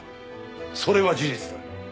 それは事実だ。